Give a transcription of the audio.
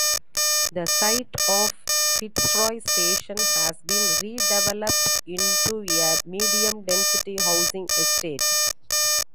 The site of Fitzroy station has been redeveloped into a medium-density housing estate.